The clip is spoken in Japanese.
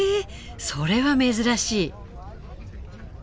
それは珍しい。